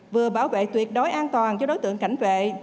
vừa bảo vệ tuyệt đối an toàn cho đối tượng cảnh vệ